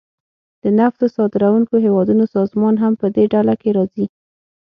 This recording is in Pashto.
د نفتو صادرونکو هیوادونو سازمان هم پدې ډله کې راځي